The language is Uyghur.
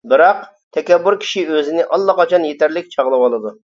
بىراق، تەكەببۇر كىشى ئۆزىنى ئاللىقاچان يېتەرلىك چاغلىۋالىدۇ.